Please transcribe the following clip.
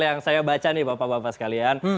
yang saya baca nih bapak bapak sekalian